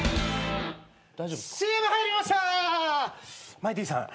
マイティーさん